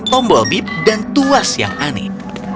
tombol bip dan tuas yang aneh